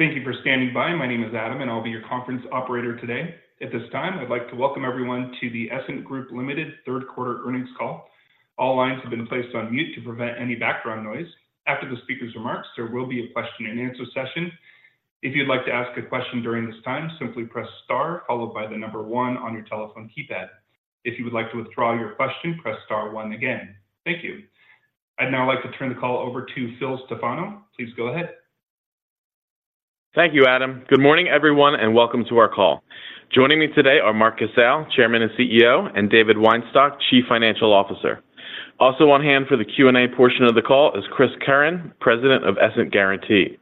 Thank you for standing by. My name is Adam, and I'll be your conference operator today. At this time, I'd like to welcome everyone to the Essent Group Ltd. third quarter earnings call. All lines have been placed on mute to prevent any background noise. After the speaker's remarks, there will be a question and answer session. If you'd like to ask a question during this time, simply press star, followed by the number 1 on your telephone keypad. If you would like to withdraw your question, press star one again. Thank you. I'd now like to turn the call over to Phil Stefano. Please go ahead. Thank you, Adam. Good morning, everyone, and welcome to our call. Joining me today are Mark Casale, Chairman and CEO, and David Weinstock, Chief Financial Officer. Also on hand for the Q&A portion of the call is Chris Curran, President of Essent Guaranty.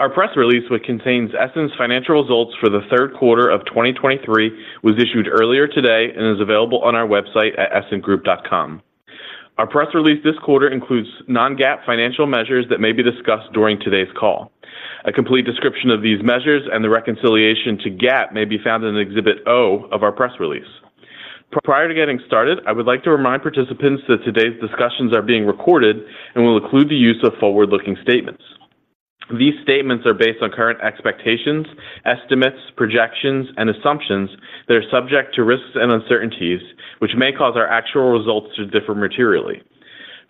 Our press release, which contains Essent's financial results for the third quarter of 2023, was issued earlier today and is available on our website at essentgroup.com. Our press release this quarter includes non-GAAP financial measures that may be discussed during today's call. A complete description of these measures and the reconciliation to GAAP may be found in Exhibit O of our press release. Prior to getting started, I would like to remind participants that today's discussions are being recorded and will include the use of forward-looking statements. These statements are based on current expectations, estimates, projections, and assumptions that are subject to risks and uncertainties, which may cause our actual results to differ materially.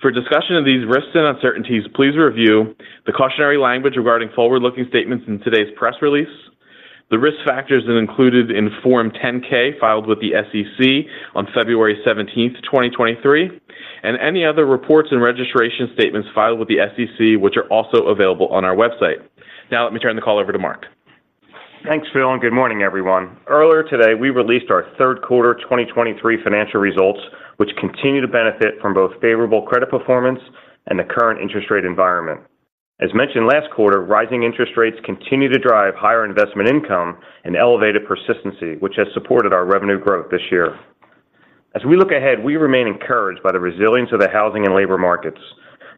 For discussion of these risks and uncertainties, please review the cautionary language regarding forward-looking statements in today's press release, the risk factors that included in Form 10-K, filed with the SEC on February 17, 2023, and any other reports and registration statements filed with the SEC, which are also available on our website. Now, let me turn the call over to Mark. Thanks, Phil, and good morning, everyone. Earlier today, we released our third quarter 2023 financial results, which continue to benefit from both favorable credit performance and the current interest rate environment. As mentioned last quarter, rising interest rates continue to drive higher investment income and elevated persistency, which has supported our revenue growth this year. As we look ahead, we remain encouraged by the resilience of the housing and labor markets.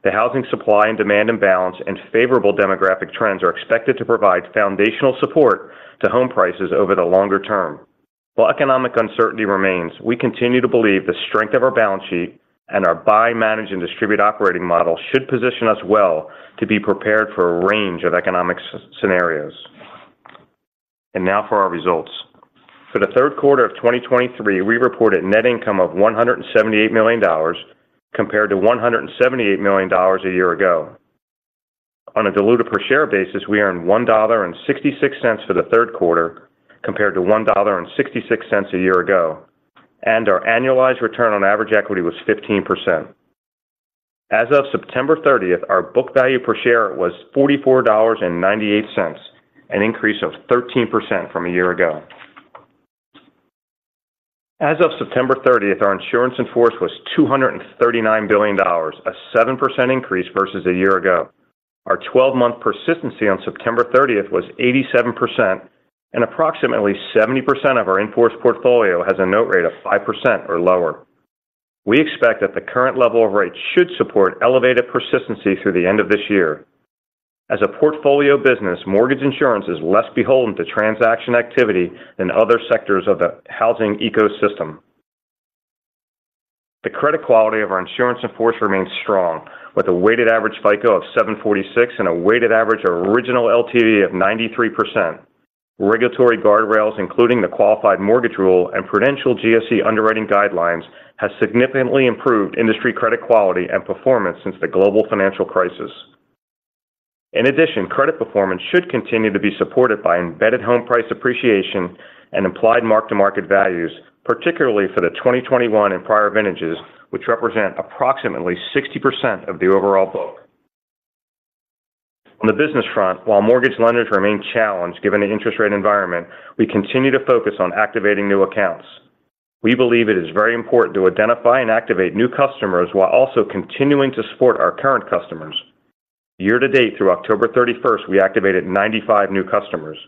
The housing supply and demand imbalance and favorable demographic trends are expected to provide foundational support to home prices over the longer term. While economic uncertainty remains, we continue to believe the strength of our balance sheet and our buy, manage, and distribute operating model should position us well to be prepared for a range of economic scenarios. And now for our results. For the third quarter of 2023, we reported net income of $178 million, compared to $178 million a year ago. On a diluted per share basis, we earned $1.66 for the third quarter, compared to $1.66 a year ago, and our annualized return on average equity was 15%. As of September 30th, our book value per share was $44.98, an increase of 13% from a year ago. As of September 30th, our insurance in force was $239 billion, a 7% increase versus a year ago. Our twelve-month persistency on September 30th was 87%, and approximately 70% of our in-force portfolio has a note rate of 5% or lower. We expect that the current level of rates should support elevated persistency through the end of this year. As a portfolio business, mortgage insurance is less beholden to transaction activity than other sectors of the housing ecosystem. The credit quality of our insurance in force remains strong, with a weighted average FICO of 746 and a weighted average original LTV of 93%. Regulatory guardrails, including the Qualified Mortgage Rule and prudential GSE underwriting guidelines, has significantly improved industry credit quality and performance since the global financial crisis. In addition, credit performance should continue to be supported by embedded home price appreciation and implied mark-to-market values, particularly for the 2021 and prior vintages, which represent approximately 60% of the overall book. On the business front, while mortgage lenders remain challenged, given the interest rate environment, we continue to focus on activating new accounts. We believe it is very important to identify and activate new customers while also continuing to support our current customers. Year to date, through October 31st, we activated 95 new customers.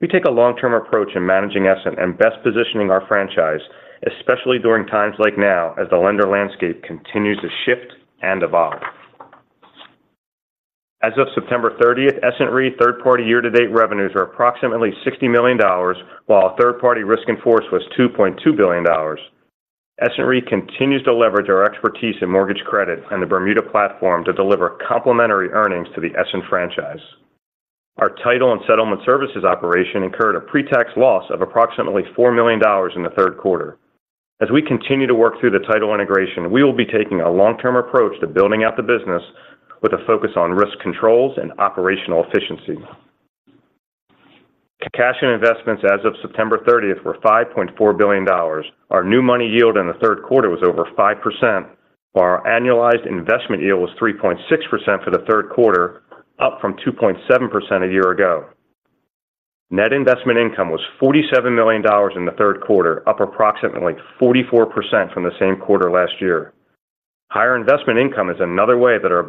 We take a long-term approach in managing Essent and best positioning our franchise, especially during times like now, as the lender landscape continues to shift and evolve. As of September 30th, Essent Re third-party year-to-date revenues are approximately $60 million, while our third-party risk in force was $2.2 billion. Essent Re continues to leverage our expertise in mortgage credit and the Bermuda platform to deliver complementary earnings to the Essent franchise. Our title and settlement services operation incurred a pre-tax loss of approximately $4 million in the third quarter. As we continue to work through the title integration, we will be taking a long-term approach to building out the business with a focus on risk controls and operational efficiency. Cash and investments as of September 30 were $5.4 billion. Our new money yield in the third quarter was over 5%, while our annualized investment yield was 3.6% for the third quarter, up from 2.7% a year ago. Net investment income was $47 million in the third quarter, up approximately 44% from the same quarter last year. Higher investment income is another way that our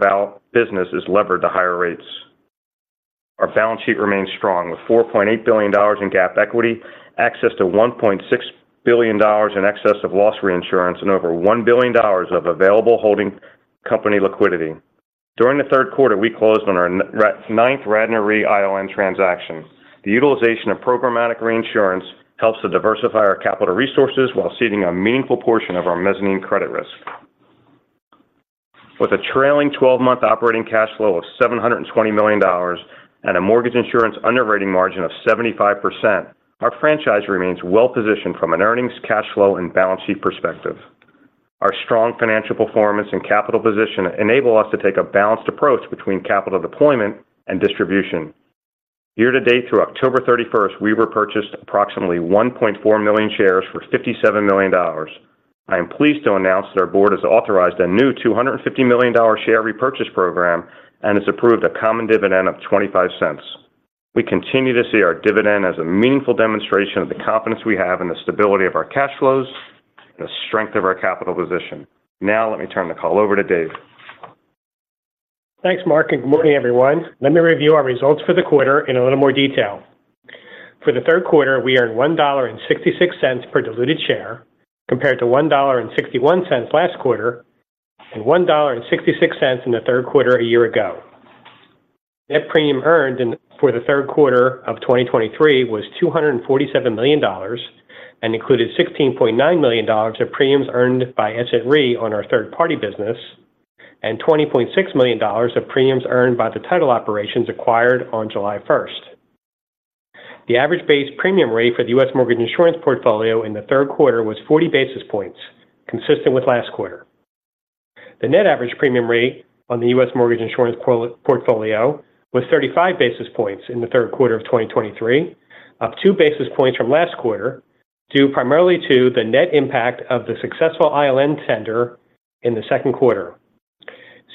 business is levered to higher rates. Our balance sheet remains strong, with $4.8 billion in GAAP equity, access to $1.6 billion in excess of loss reinsurance, and over $1 billion of available holding company liquidity. During the third quarter, we closed on our ninth Radnor Re ILN transaction. The utilization of programmatic reinsurance helps to diversify our capital resources while ceding a meaningful portion of our mezzanine credit risk. With a trailing twelve-month operating cash flow of $720 million and a mortgage insurance underwriting margin of 75%, our franchise remains well-positioned from an earnings, cash flow, and balance sheet perspective. Our strong financial performance and capital position enable us to take a balanced approach between capital deployment and distribution. Year to date, through October 31, we repurchased approximately 1.4 million shares for $57 million. I am pleased to announce that our board has authorized a new $250 million share repurchase program and has approved a common dividend of $0.25. We continue to see our dividend as a meaningful demonstration of the confidence we have in the stability of our cash flows and the strength of our capital position. Now let me turn the call over to Dave. Thanks, Mark, and good morning, everyone. Let me review our results for the quarter in a little more detail. For the third quarter, we earned $1.66 per diluted share, compared to $1.61 last quarter and $1.66 in the third quarter a year ago. Net premium earned for the third quarter of 2023 was $247 million and included $16.9 million of premiums earned by Essent Re on our third-party business and $20.6 million of premiums earned by the title operations acquired on July 1st. The average base premium rate for the U.S. mortgage insurance portfolio in the third quarter was 40 basis points, consistent with last quarter. The net average premium rate on the U.S. mortgage insurance portfolio was 35 basis points in the third quarter of 2023, up two basis points from last quarter, due primarily to the net impact of the successful ILN tender in the second quarter.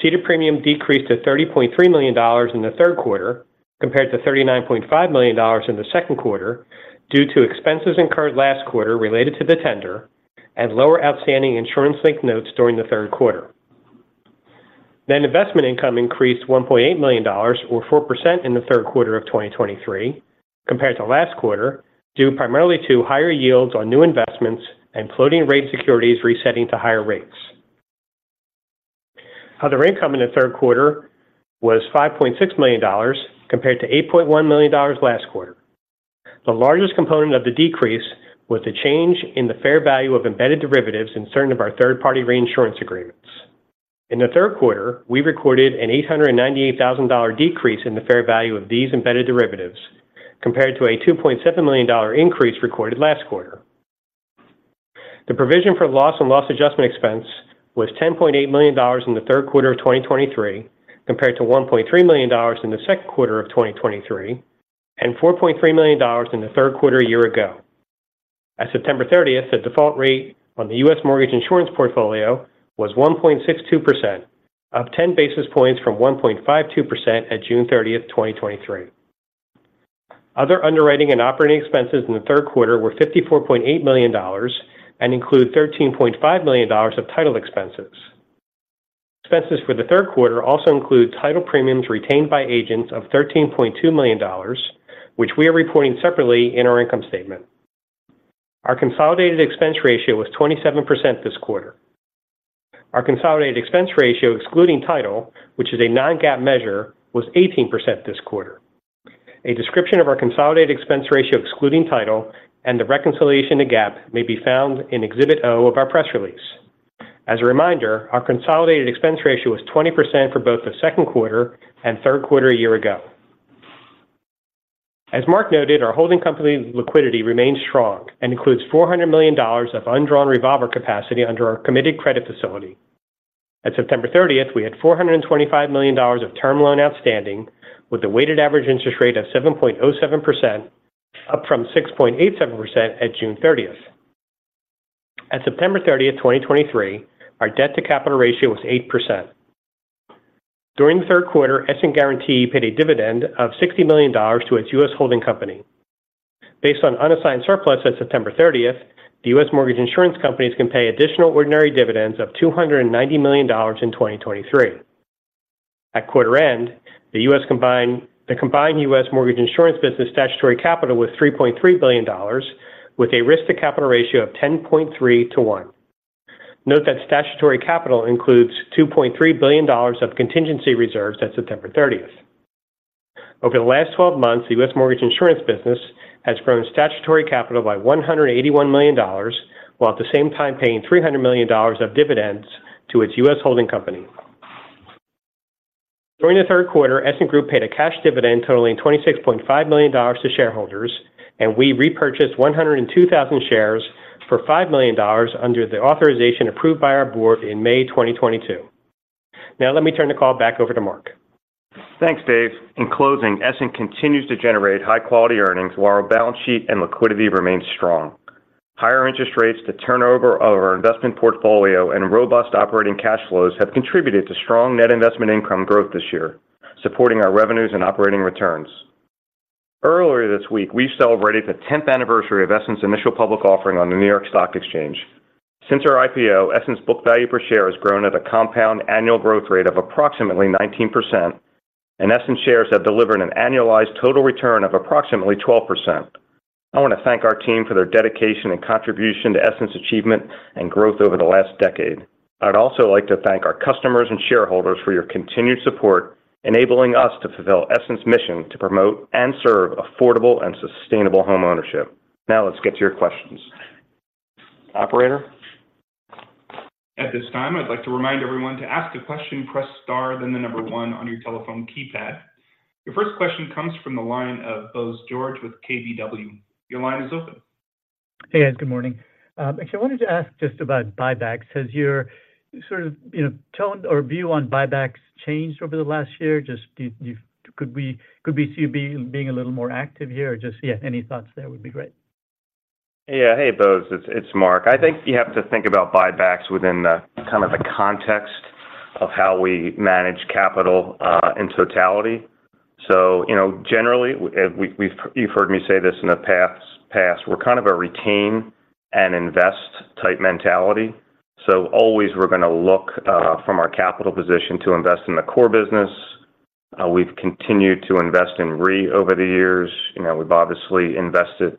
Ceded premium decreased to $30.3 million in the third quarter, compared to $39.5 million in the second quarter, due to expenses incurred last quarter related to the tender and lower outstanding insurance-linked notes during the third quarter. Investment income increased $1.8 million, or 4% in the third quarter of 2023 compared to last quarter, due primarily to higher yields on new investments and floating rate securities resetting to higher rates. Other income in the third quarter was $5.6 million, compared to $8.1 million last quarter. The largest component of the decrease was the change in the fair value of embedded derivatives in certain of our third-party reinsurance agreements. In the third quarter, we recorded an $898,000 decrease in the fair value of these embedded derivatives, compared to a $2.7 million increase recorded last quarter. The provision for loss and loss adjustment expense was $10.8 million in the third quarter of 2023, compared to $1.3 million in the second quarter of 2023 and $4.3 million in the third quarter a year ago. At September 30, the default rate on the U.S. mortgage insurance portfolio was 1.62%, up 10 basis points from 1.52% at June 30, 2023. Other underwriting and operating expenses in the third quarter were $54.8 million and include $13.5 million of title expenses. Expenses for the third quarter also include title premiums retained by agents of $13.2 million, which we are reporting separately in our income statement. Our consolidated expense ratio was 27% this quarter. Our consolidated expense ratio, excluding title, which is a non-GAAP measure, was 18% this quarter. A description of our consolidated expense ratio, excluding title and the reconciliation to GAAP, may be found in Exhibit O of our press release. As a reminder, our consolidated expense ratio was 20% for both the second quarter and third quarter a year ago. As Mark noted, our holding company liquidity remains strong and includes $400 million of undrawn revolver capacity under our committed credit facility. At September 30, we had $425 million of term loan outstanding, with a weighted average interest rate of 7.07%, up from 6.87% at June 30. At September 30, 2023, our debt-to-capital ratio was 8%. During the third quarter, Essent Guaranty paid a dividend of $60 million to its U.S. holding company. Based on unassigned surplus at September 30, the U.S. mortgage insurance companies can pay additional ordinary dividends of $290 million in 2023. At quarter end, the combined U.S. mortgage insurance business statutory capital was $3.3 billion, with a risk to capital ratio of 10.3 to 1. Note that statutory capital includes $2.3 billion of contingency reserves at September 30. Over the last 12 months, the U.S. mortgage insurance business has grown statutory capital by $181 million, while at the same time paying $300 million of dividends to its U.S. holding company. During the third quarter, Essent Group paid a cash dividend totaling $26.5 million to shareholders, and we repurchased 102,000 shares for $5 million under the authorization approved by our board in May 2022. Now, let me turn the call back over to Mark. Thanks, Dave. In closing, Essent continues to generate high-quality earnings, while our balance sheet and liquidity remain strong. Higher interest rates, the turnover of our investment portfolio, and robust operating cash flows have contributed to strong net investment income growth this year, supporting our revenues and operating returns. Earlier this week, we celebrated the tenth anniversary of Essent's initial public offering on the New York Stock Exchange. Since our IPO, Essent's book value per share has grown at a compound annual growth rate of approximately 19%, and Essent shares have delivered an annualized total return of approximately 12%. I want to thank our team for their dedication and contribution to Essent's achievement and growth over the last decade. I'd also like to thank our customers and shareholders for your continued support, enabling us to fulfill Essent's mission to promote and serve affordable and sustainable homeownership. Now, let's get to your questions. Operator? At this time, I'd like to remind everyone to ask a question, press star, then the number 1 on your telephone keypad. Your first question comes from the line of Bose George with KBW. Your line is open. Hey, guys, good morning. Actually, I wanted to ask just about buybacks. Has your sort of, you know, tone or view on buybacks changed over the last year? Just, could we see you being a little more active here? Or just, yeah, any thoughts there would be great. Yeah. Hey, Bose, it's Mark. I think you have to think about buybacks within the kind of the context of how we manage capital in totality. So, you know, generally, we've—you've heard me say this in the past, we're kind of a retain and invest type mentality. So always we're going to look from our capital position to invest in the core business. We've continued to invest in RE over the years. You know, we've obviously invested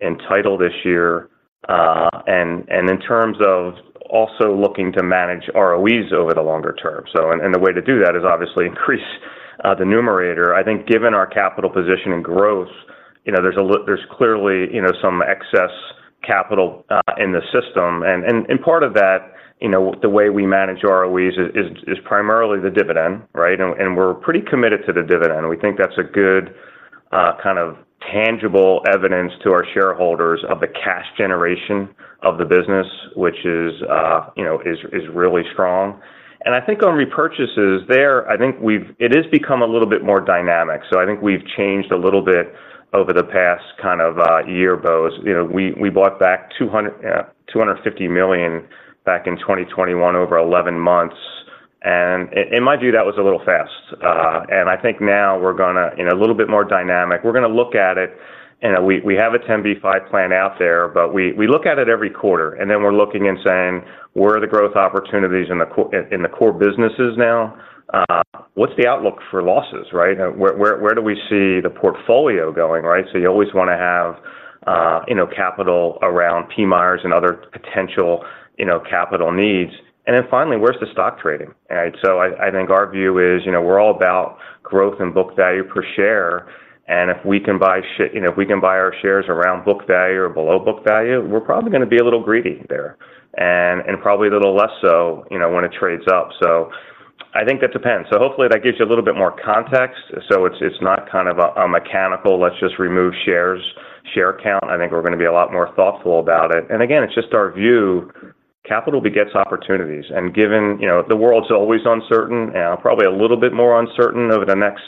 in title this year. And in terms of also looking to manage ROEs over the longer term, so the way to do that is obviously increase the numerator. I think given our capital position and growth, you know, there's clearly some excess capital in the system. And part of that, you know, the way we manage ROEs is primarily the dividend, right? And we're pretty committed to the dividend. We think that's a good kind of tangible evidence to our shareholders of the cash generation of the business, which is, you know, really strong. And I think on repurchases there, I think we've, it has become a little bit more dynamic. So I think we've changed a little bit over the past kind of year, Bose. You know, we bought back $250 million back in 2021 over 11 months. And in my view, that was a little fast. And I think now we're gonna, you know, a little bit more dynamic. We're gonna look at it, and we have a 10b5-1 plan out there, but we look at it every quarter, and then we're looking and saying: Where are the growth opportunities in the core businesses now? What's the outlook for losses, right? Where do we see the portfolio going, right? So you always wanna have, you know, capital around PMIERs and other potential, you know, capital needs. And then finally, where's the stock trading, right? So I think our view is, you know, we're all about growth and book value per share, and if we can buy our shares around book value or below book value, we're probably gonna be a little greedy there, and probably a little less so, you know, when it trades up. I think that depends. Hopefully that gives you a little bit more context. It's not kind of a mechanical, let's just remove shares, share count. I think we're gonna be a lot more thoughtful about it. Again, it's just our view, capital begets opportunities, and given, you know, the world's always uncertain, probably a little bit more uncertain over the next,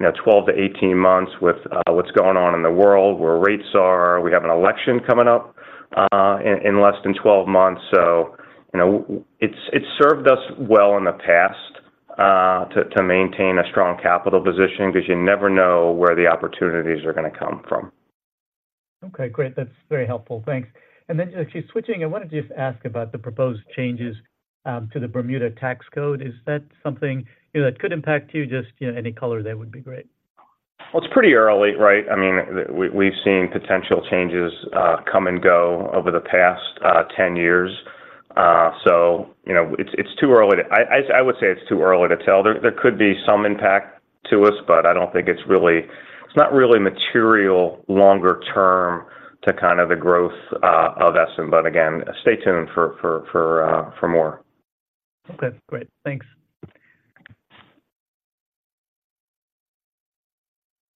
you know, 12-18 months with what's going on in the world, where rates are. We have an election coming up in less than 12 months. You know, it's served us well in the past to maintain a strong capital position because you never know where the opportunities are gonna come from. Okay, great. That's very helpful. Thanks. And then just actually switching, I wanted to just ask about the proposed changes to the Bermuda tax code. Is that something, you know, that could impact you? Just, you know, any color there would be great. Well, it's pretty early, right? I mean, we've seen potential changes come and go over the past 10 years. So you know, it's too early to—I would say it's too early to tell. There could be some impact to us, but I don't think it's really—it's not really material longer term to kind of the growth of Essent. But again, stay tuned for more. Okay, great. Thanks.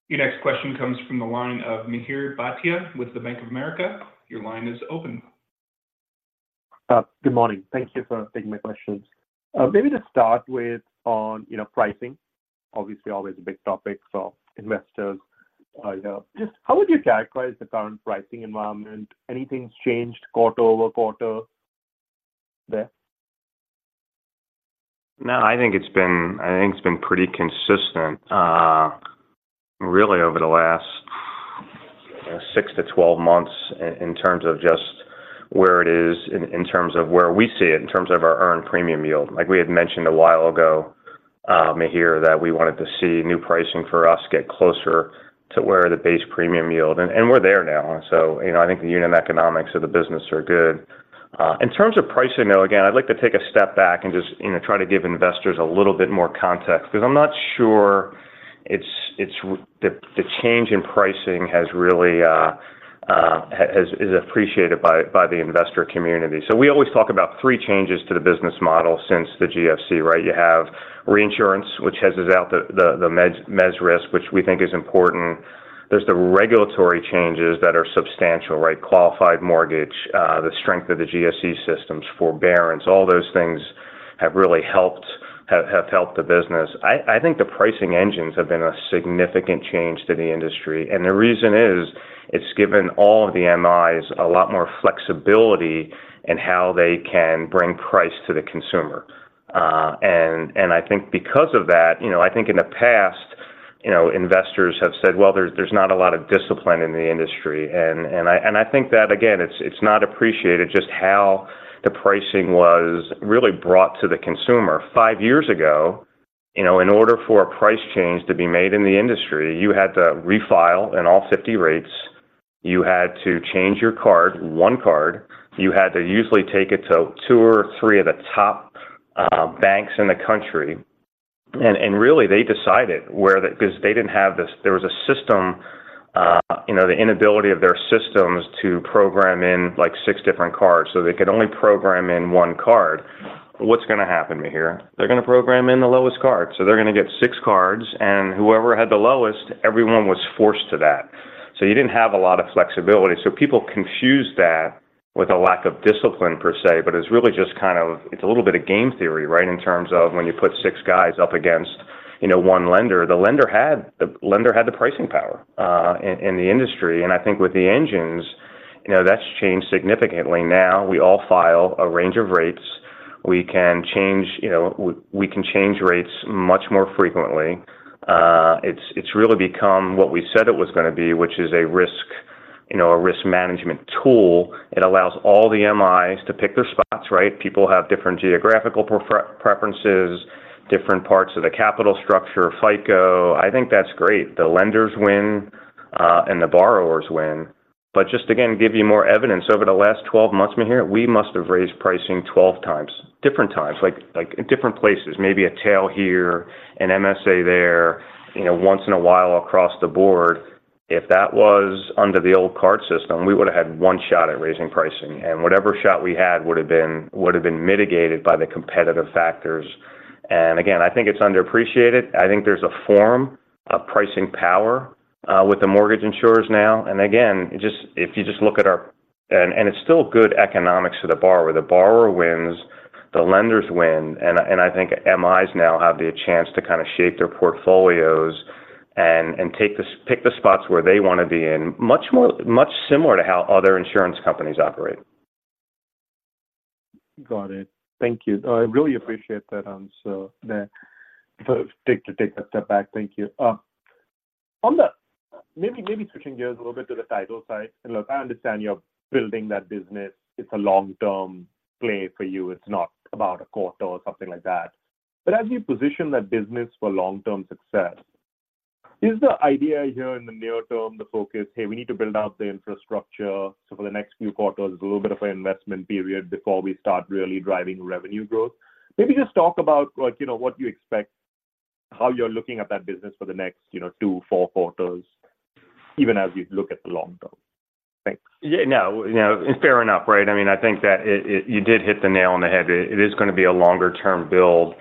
Your next question comes from the line of Mihir Bhatia with the Bank of America. Your line is open. Good morning. Thank you for taking my questions. Maybe to start with on, you know, pricing, obviously, always a big topic for investors. Yeah, just how would you characterize the current pricing environment? Anything's changed quarter over quarter there? No, I think it's been pretty consistent, really over the last 6-12 months in terms of just where it is, in terms of where we see it, in terms of our earned premium yield. Like we had mentioned a while ago, Mihir, that we wanted to see new pricing for us get closer to where the base premium yield, and we're there now. So, you know, I think the unit economics of the business are good. In terms of pricing, though, again, I'd like to take a step back and just, you know, try to give investors a little bit more context, because I'm not sure it's the change in pricing has really is appreciated by the investor community. So we always talk about three changes to the business model since the GFC, right? You have reinsurance, which hedges out the mezzanine risk, which we think is important. There's the regulatory changes that are substantial, right? Qualified mortgage, the strength of the GSE systems, forbearance, all those things have really helped, have helped the business. I think the pricing engines have been a significant change to the industry, and the reason is, it's given all of the MIs a lot more flexibility in how they can bring price to the consumer. I think because of that, you know, I think in the past, you know, investors have said, "Well, there's, there's not a lot of discipline in the industry." I think that, again, it's, it's not appreciated just how the pricing was really brought to the consumer. Five years ago, you know, in order for a price change to be made in the industry, you had to refile in all 50 rates, you had to change your card, one card, you had to usually take it to two or three of the top banks in the country. Really, they decided where the—'cause they didn't have this. There was a system, you know, the inability of their systems to program in, like, six different cards, so they could only program in one card. What's gonna happen, Mihir? They're gonna program in the lowest card, so they're gonna get six cards, and whoever had the lowest, everyone was forced to that. So you didn't have a lot of flexibility. So people confused that with a lack of discipline per se, but it's really just kind of, it's a little bit of game theory, right? In terms of when you put six guys up against, you know, one lender. The lender had, the lender had the pricing power in the industry. And I think with the engines, you know, that's changed significantly. Now, we all file a range of rates. We can change, you know, we can change rates much more frequently. It's really become what we said it was gonna be, which is a risk, you know, a risk management tool. It allows all the MIs to pick their spots, right? People have different geographical preferences, different parts of the capital structure, FICO. I think that's great. The lenders win, and the borrowers win. But just again, to give you more evidence, over the last 12 months, Mihir, we must have raised pricing 12 times, different times, like, like, in different places. Maybe a tail here, an MSA there, you know, once in a while across the board. If that was under the old card system, we would've had one shot at raising pricing, and whatever shot we had would've been mitigated by the competitive factors. And again, I think it's underappreciated. I think there's a form of pricing power with the mortgage insurers now. And again, just if you just look at our... And, and it's still good economics to the borrower. The borrower wins, the lenders win, and I think MIs now have the chance to kind of shape their portfolios and take pick the spots where they want to be in, much more, much similar to how other insurance companies operate. Got it. Thank you. I really appreciate that answer. So, to take a step back, thank you. On the title side. Maybe, maybe switching gears a little bit to the title side. And look, I understand you're building that business. It's a long-term play for you. It's not about a quarter or something like that. But as you position that business for long-term success, is the idea here in the near term, the focus, "Hey, we need to build out the infrastructure, so for the next few quarters, a little bit of an investment period before we start really driving revenue growth?" Maybe just talk about, like, you know, what you expect, how you're looking at that business for the next, you know, two, four quarters, even as you look at the long term. Thanks. Yeah, no, you know, fair enough, right? I mean, I think that You did hit the nail on the head. It is gonna be a longer-term build,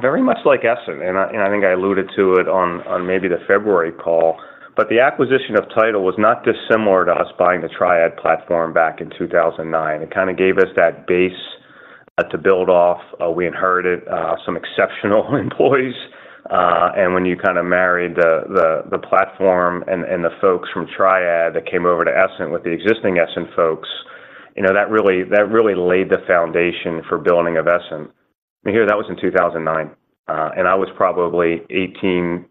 very much like Essent, and I think I alluded to it on maybe the February call. But the acquisition of Title was not dissimilar to us buying the Triad platform back in 2009. It kind of gave us that base to build off. We inherited some exceptional employees. And when you kind of married the platform and the folks from Triad that came over to Essent with the existing Essent folks, you know, that really laid the foundation for building of Essent. Mihir, that was in 2009, and I was probably 18,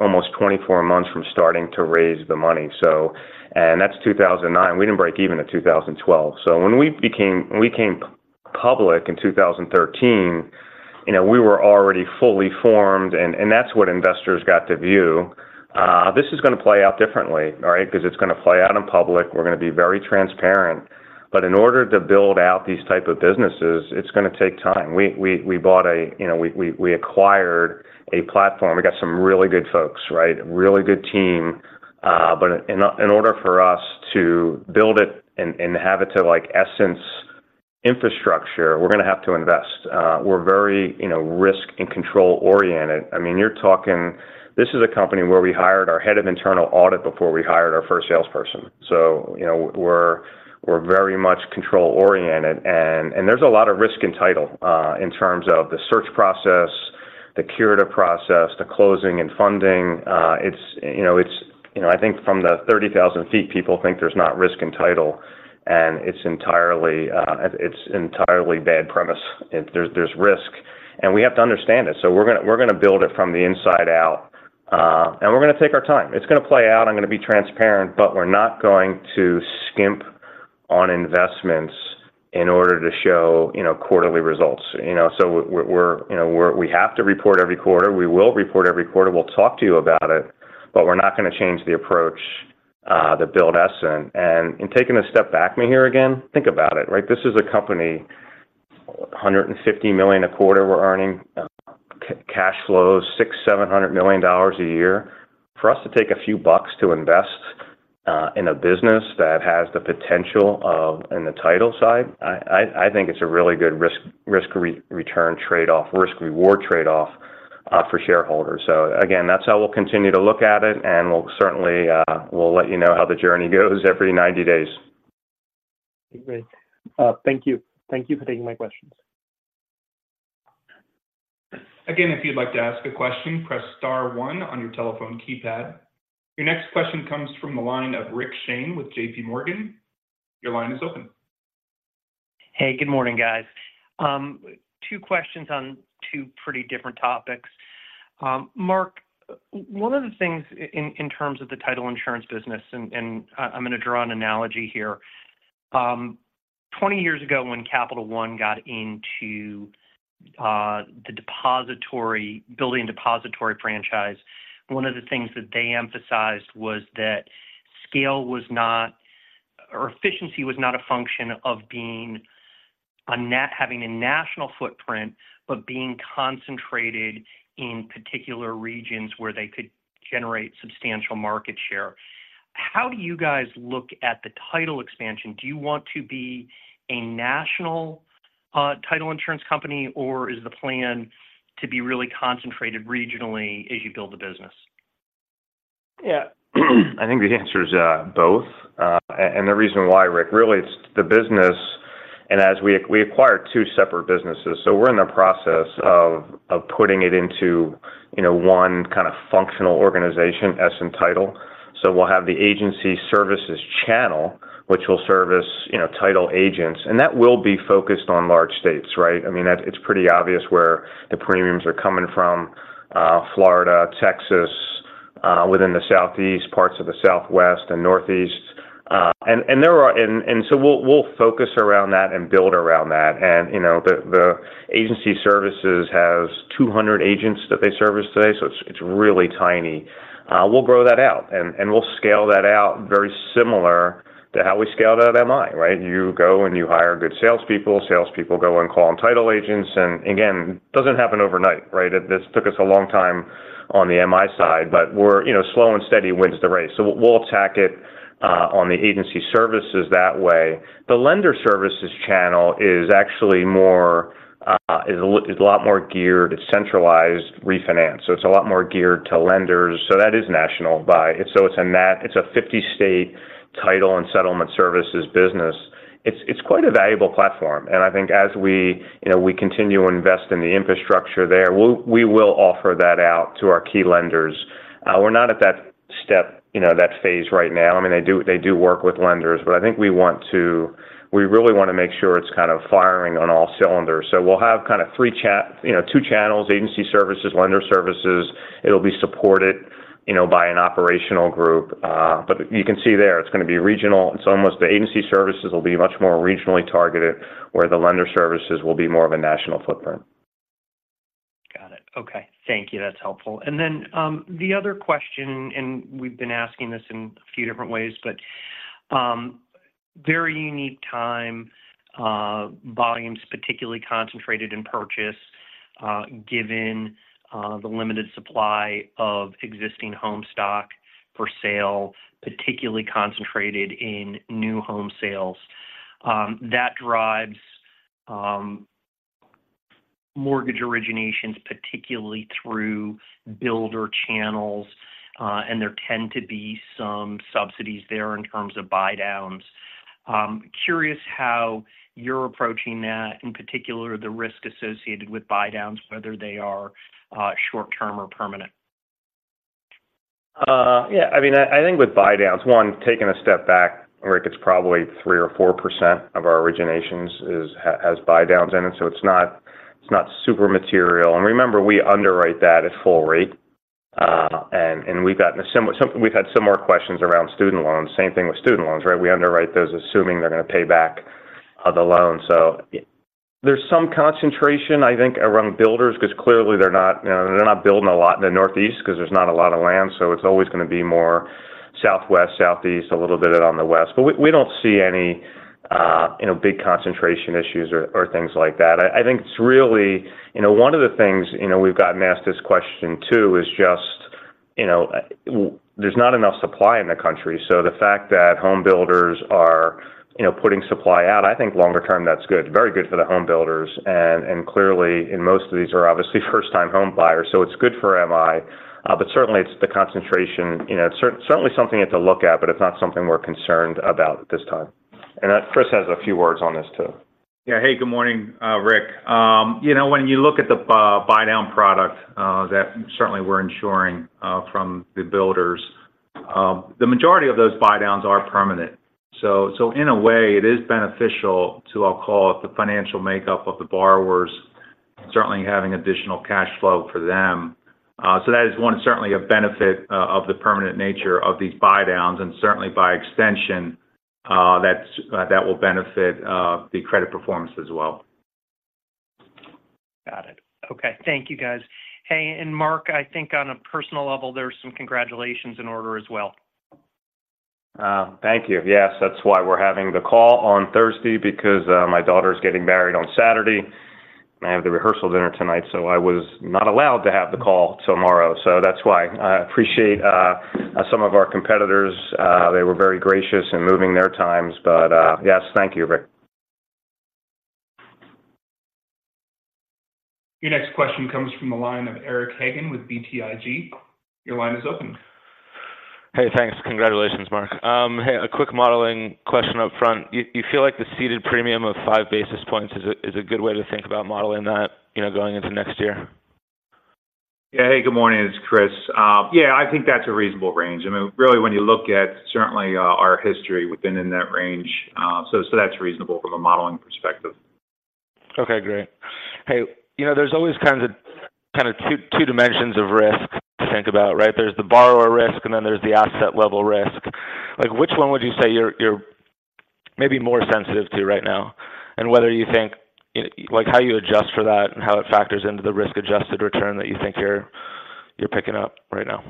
almost 24 months from starting to raise the money. So... And that's 2009. We didn't break even until 2012. So when we became, when we came public in 2013, you know, we were already fully formed, and, and that's what investors got to view. This is gonna play out differently, all right? 'Cause it's gonna play out in public. We're gonna be very transparent. But in order to build out these type of businesses, it's gonna take time. We, we, we bought a... You know, we, we, we acquired a platform. We got some really good folks, right? A really good team. But in order for us to build it and have it to, like, Essent's infrastructure, we're gonna have to invest. We're very, you know, risk and control-oriented. I mean, you're talking—this is a company where we hired our head of internal audit before we hired our first salesperson. So, you know, we're very much control-oriented, and there's a lot of risk in title in terms of the search process, the curative process, the closing and funding. It's, you know, it's... You know, I think from the 30,000 feet, people think there's not risk in title, and it's entirely bad premise. There's risk, and we have to understand it. So we're gonna build it from the inside out, and we're gonna take our time. It's gonna play out. I'm gonna be transparent, but we're not going to skimp on investments in order to show, you know, quarterly results. You know, so we're, you know, we have to report every quarter. We will report every quarter. We'll talk to you about it, but we're not gonna change the approach that built Essent. And in taking a step back, Mihir, again, think about it, right? This is a company, $150 million a quarter, we're earning cash flows, $600-$700 million a year. For us to take a few bucks to invest in a business that has the potential of... In the title side, I think it's a really good risk-return trade-off, risk-reward trade-off for shareholders. So again, that's how we'll continue to look at it, and we'll certainly let you know how the journey goes every 90 days. Great. Thank you. Thank you for taking my questions. Okay. Again, if you'd like to ask a question, press star one on your telephone keypad. Your next question comes from the line of Rick Shane with JP Morgan. Your line is open. Hey, good morning, guys. Two questions on two pretty different topics. Mark, one of the things in terms of the title insurance business, and I, I'm gonna draw an analogy here. 20 years ago, when Capital One got into the depository, building depository franchise, one of the things that they emphasized was that scale was not or efficiency was not a function of being a having a national footprint, but being concentrated in particular regions where they could generate substantial market share. How do you guys look at the title expansion? Do you want to be a national title insurance company, or is the plan to be really concentrated regionally as you build the business? Yeah. I think the answer is both. And the reason why, Rick, really it's the business, and as we acquired two separate businesses. So we're in the process of putting it into, you know, one kind of functional organization, Essent Title. So we'll have the agency services channel, which will service, you know, title agents, and that will be focused on large states, right? I mean, that's pretty obvious where the premiums are coming from, Florida, Texas, within the Southeast, parts of the Southwest and Northeast. And so we'll focus around that and build around that. And, you know, the agency services has 200 agents that they service today, so it's really tiny. We'll grow that out, and, and we'll scale that out very similar to how we scaled out MI, right? You go and you hire good salespeople, salespeople go and call on title agents. And again, it doesn't happen overnight, right? This took us a long time on the MI side, but we're, you know, slow and steady wins the race. So we'll, we'll attack it on the agency services that way. The lender services channel is actually more, is a lot more geared, it's centralized refinance, so it's a lot more geared to lenders. So that is national by... So it's a national—it's a 50-state title and settlement services business. It's, it's quite a valuable platform, and I think as we, you know, we continue to invest in the infrastructure there, we will offer that out to our key lenders. We're not at that step, you know, that phase right now. I mean, they do, they do work with lenders, but I think we want to, we really want to make sure it's kind of firing on all cylinders. So we'll have kind of three cha-- you know, two channels, agency services, lender services. It'll be supported, you know, by an operational group. But you can see there, it's going to be regional. It's almost the agency services will be much more regionally targeted, where the lender services will be more of a national footprint. Got it. Okay. Thank you. That's helpful. And then, the other question, and we've been asking this in a few different ways, but, very unique time, volumes, particularly concentrated in purchase, given, the limited supply of existing home stock for sale, particularly concentrated in new home sales. That drives, mortgage originations, particularly through builder channels, and there tend to be some subsidies there in terms of buydowns. Curious how you're approaching that, in particular, the risk associated with buydowns, whether they are, short term or permanent. Yeah, I mean, I think with buydowns, one, taking a step back, Rick, it's probably 3 or 4% of our originations is has buydowns in it, so it's not super material. And remember, we underwrite that at full rate. And we've gotten a similar - so we've had similar questions around student loans. Same thing with student loans, right? We underwrite those, assuming they're going to pay back the loan. So there's some concentration, I think, around builders, 'cause clearly they're not, you know, they're not building a lot in the Northeast 'cause there's not a lot of land, so it's always going to be more Southwest, Southeast, a little bit on the West. But we don't see any, you know, big concentration issues or things like that. I think it's really... You know, one of the things, you know, we've gotten asked this question, too, is just, you know, there's not enough supply in the country. So the fact that home builders are, you know, putting supply out, I think longer term, that's good. Very good for the home builders, and, and clearly, and most of these are obviously first-time home buyers, so it's good for MI, but certainly it's the concentration, you know, certainly something you have to look at, but it's not something we're concerned about at this time. And Chris has a few words on this, too. Yeah. Hey, good morning, Rick. You know, when you look at the buydown product that certainly we're ensuring from the builders, the majority of those buydowns are permanent. So, so in a way, it is beneficial to, I'll call it, the financial makeup of the borrowers, certainly having additional cash flow for them. So that is one, certainly a benefit of the permanent nature of these buydowns, and certainly by extension, that's that will benefit the credit performance as well. Got it. Okay. Thank you, guys. Hey, and Mark, I think on a personal level, there are some congratulations in order as well. Thank you. Yes, that's why we're having the call on Thursday, because my daughter is getting married on Saturday. I have the rehearsal dinner tonight, so I was not allowed to have the call tomorrow. So that's why. I appreciate some of our competitors; they were very gracious in moving their times, but yes, thank you, Rick. Your next question comes from the line of Eric Hagan with BTIG. Your line is open. Hey, thanks. Congratulations, Mark. Hey, a quick modeling question up front. You feel like the ceded premium of 5 basis points is a good way to think about modeling that, you know, going into next year? Yeah. Hey, good morning, it's Chris. Yeah, I think that's a reasonable range. I mean, really, when you look at certainly our history within that range, so that's reasonable from a modeling perspective. Okay, great. Hey, you know, there's always kinds of—kind of two, two dimensions of risk to think about, right? There's the borrower risk, and then there's the asset level risk. Like, which one would you say you're, you're maybe more sensitive to right now? And whether you think, like, how you adjust for that and how it factors into the risk-adjusted return that you think you're, you're picking up right now.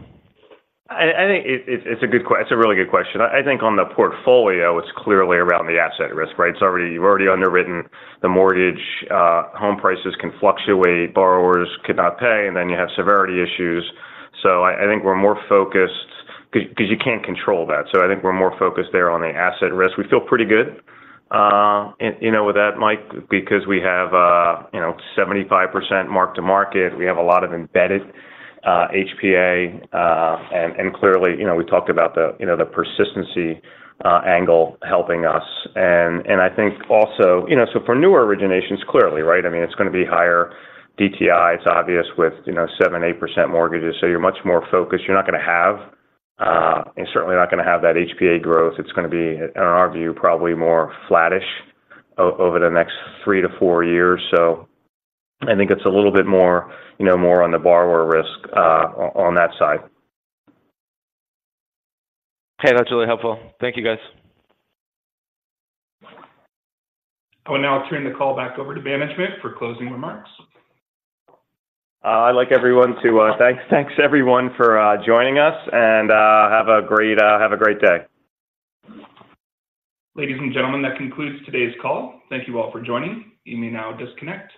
I think it's a really good question. I think on the portfolio, it's clearly around the asset risk, right? It's already. You've already underwritten the mortgage. Home prices can fluctuate, borrowers could not pay, and then you have severity issues. So I think we're more focused, 'cause you can't control that. So I think we're more focused there on the asset risk. We feel pretty good, and you know, with that, Mike, because we have, you know, 75% mark-to-market. We have a lot of embedded HPA, and clearly, you know, we talked about the, you know, the persistency angle helping us. And I think also, you know, so for newer originations, clearly, right? I mean, it's going to be higher DTI. It's obvious with, you know, 7%-8% mortgages, so you're much more focused. You're not going to have, you're certainly not going to have that HPA growth. It's going to be, in our view, probably more flattish over the next 3-4 years. So I think it's a little bit more, you know, more on the borrower risk, on that side. Okay, that's really helpful. Thank you, guys. I will now turn the call back over to management for closing remarks. I'd like everyone to... Thanks, thanks, everyone, for joining us, and have a great day. Ladies and gentlemen, that concludes today's call. Thank you all for joining. You may now disconnect.